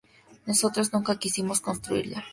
Nosotros nunca quisimos construirla.